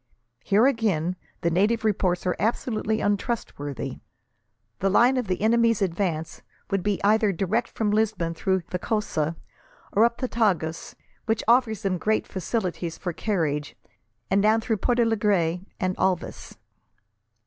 Here, again, the native reports are absolutely untrustworthy. The line of the enemy's advance would be either direct from Lisbon through Vicosa, or up the Tagus, which offers them great facilities for carriage, and down through Portalegre and Alvas.